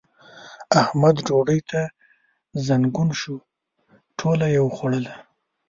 احمد ډوډۍ ته زنګون شو؛ ټوله يې وخوړله.